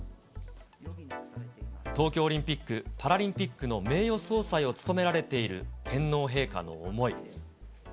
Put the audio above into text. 東京オリンピック・パラリンピックの名誉総裁を務められている天皇陛下の思い。